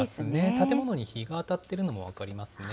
建物に日が当たっているのも分かりますね。